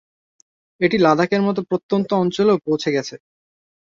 এটি লাদাখের মত প্রত্যন্ত অঞ্চলেও পৌঁছে গেছে।